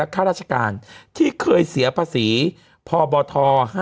มันติดคุกออกไปออกมาได้สองเดือน